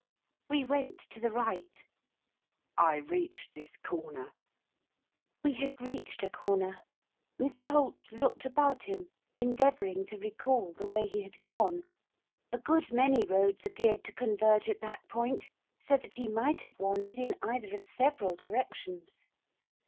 We went to the right. 'I reached this corner.' We had reached a corner. Mr Holt looked about him, endeavouring to recall the way he had gone. A good many roads appeared to converge at that point, so that he might have wandered in either of several directions.